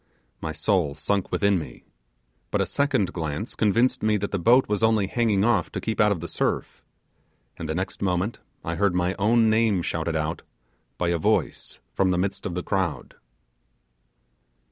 My soul sunk within me: but a second glance convinced me that the boat was only hanging off to keep out of the surf; and the next moment I heard my own name shouted out by a voice from the midst of the crowd.